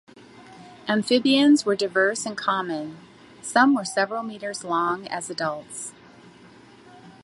Amphibians were diverse and common; some were several meters long as adults.